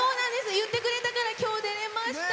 言ってくれたから今日、出れました。